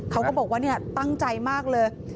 เขาก็บอกว่าตั้งใจมากเลย